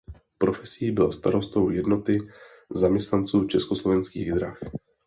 Profesí byl starostou Jednoty zaměstnanců Československých drah.